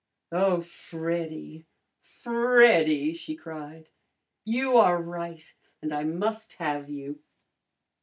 "Oh, Freddy, Freddy!" she cried. "You are right, and I must have you!"